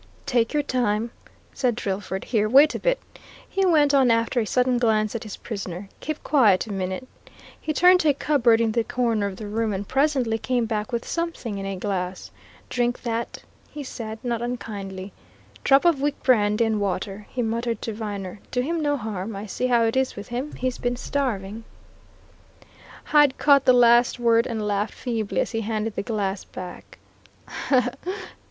"Take your time," said Drillford. "Here, wait a bit," he went on after a sudden glance at his prisoner. "Keep quiet a minute." He turned to a cupboard in the corner of the room and presently came back with something in a glass. "Drink that," he said not unkindly. "Drop of weak brandy and water," he muttered to Viner. "Do him no harm I see how it is with him he's been starving." Hyde caught the last word and laughed feebly as he handed the glass back.